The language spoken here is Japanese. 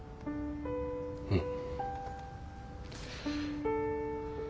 うん。